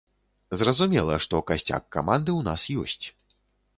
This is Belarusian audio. Зразумела, што касцяк каманды ў нас ёсць.